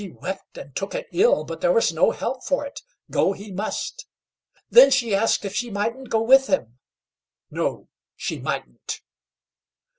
She wept and took it ill, but there was no help for it; go he must. Then she asked if she mightn't go with him. No, she mightn't.